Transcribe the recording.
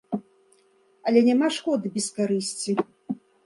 Але няма шкоды без карысці.